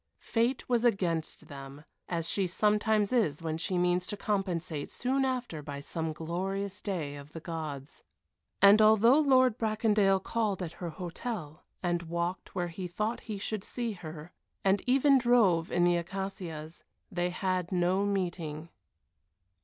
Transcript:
Fate was against them, as she sometimes is when she means to compensate soon after by some glorious day of the gods. And although Lord Bracondale called at her hotel and walked where he thought he should see her, and even drove in the Acacias, they had no meeting.